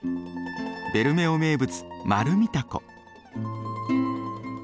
ベルメオ名物マルミタコ。